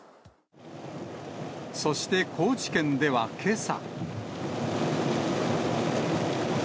そして高知県ではけさ。